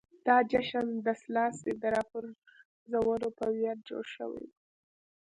دا جشن د سلاسي د راپرځولو په ویاړ جوړ شوی و.